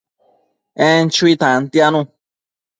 En chui tantianu